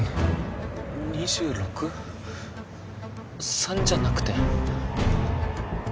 ３じゃなくて？